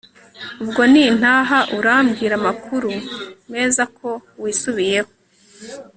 ubwo nintaha urambwira amakuru meza ko wisubiyeho